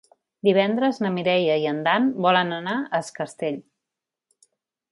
Divendres na Mireia i en Dan volen anar a Es Castell.